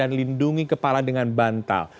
jangan lindungi kepala dengan bantal